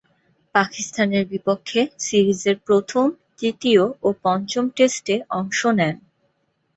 পাকিস্তানের বিপক্ষে সিরিজের প্রথম, তৃতীয় ও পঞ্চম টেস্টে অংশ নেন।